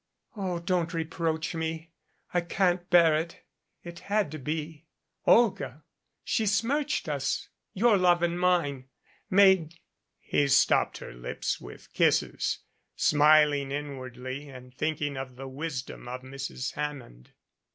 "Oh, don't reproach me ! I can't bear it. It had to 335 MADCAP be. Olga she smirched us your love and mine made " He stopped her lips with kisses, smiling inwardly and thinking of the wisdom of Mrs. Hammond.